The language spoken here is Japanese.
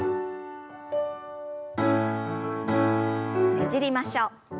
ねじりましょう。